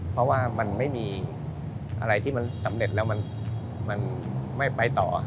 เพราะว่ามันไม่มีอะไรที่มันสำเร็จแล้วมันไม่ไปต่อ